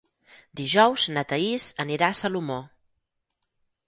Dijous na Thaís anirà a Salomó.